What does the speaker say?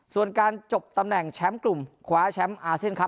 ส่วนการจบตำแหน่งแชมป์กลุ่มคว้าแชมป์อาเซียนครับ